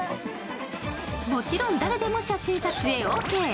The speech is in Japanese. もちろん、誰でも写真撮影オーケー。